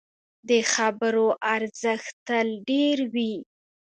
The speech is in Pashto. د خبرو ارزښت تل ډېر وي